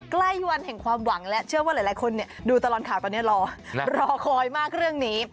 ใกล้วันแห่งความหวังและเชื่อว่าหลายคนดูตลอดข่าวตอนนี้รอรอคอยมากเรื่องนี้